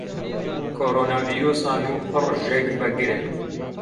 Koronavîrusa nû pir jêkvegir e.